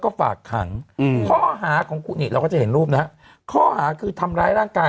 ก็มีข่าวลือคนชอบไปเมาส์กัน